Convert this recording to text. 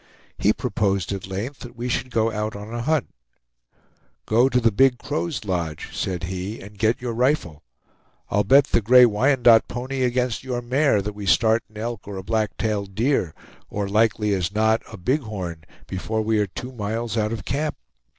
He proposed at length that we should go out on a hunt. "Go to the Big Crow's lodge," said he, "and get your rifle. I'll bet the gray Wyandotte pony against your mare that we start an elk or a black tailed deer, or likely as not, a bighorn, before we are two miles out of camp.